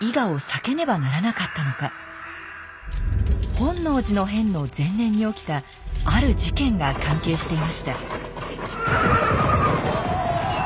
本能寺の変の前年に起きたある事件が関係していました